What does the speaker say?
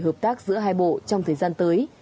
hợp tác giữa hai bộ trong thời gian tới